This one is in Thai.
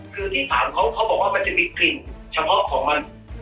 คือที่ถามเขาเขาบอกว่ามันจะมีกลิ่นเฉพาะของมัน